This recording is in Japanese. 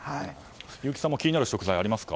優木さんも気になる食材ありますか。